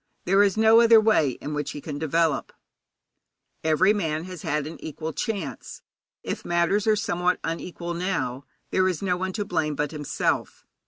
There is no other way in which he can develop. Every man has had an equal chance. If matters are somewhat unequal now, there is no one to blame but himself.